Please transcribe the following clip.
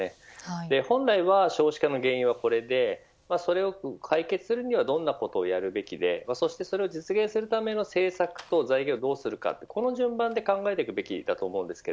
本来は少子化の原因はこれでそれを解決するにはどんなことをやるべきでそれを実現するための政策と財源をどうするかという順番で考えていくべきだと思います。